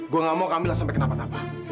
gue gak mau camila sampai kenapa kenapa